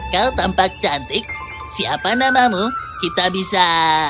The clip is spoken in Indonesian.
kau tampak cantik siapa namamu kita bisa